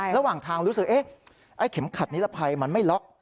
ระหว่างทางรู้สึกไอ้เข็มขัดนิรภัยมันไม่ล็อก